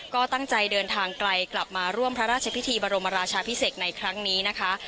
ก็ตั้งใจเดินทางไกลกลับมาร่วมพระราชพิธีบรมราชาพิเศษในครั้งนี้นะคะ